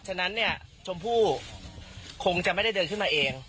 ฉะนั้นเนี่ยชมพู่คงจะไม่ได้เดินขึ้นมาเอง